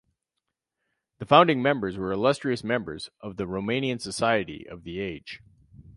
The founding members were illustrious members of the Romanian society of the age.